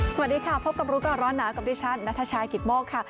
สวัสดีค่ะพบกับร้อนหนากับดิฉันณชายกิตโมกค่ะ